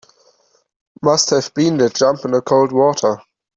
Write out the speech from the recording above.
Must have been that jump in the cold water.